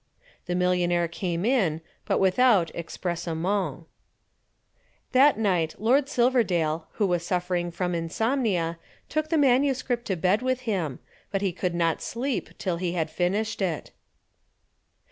The millionaire came in, but without empressement. That night Lord Silverdale, who was suffering from insomnia, took the manuscript to bed with him, but he could not sleep till he had finished it.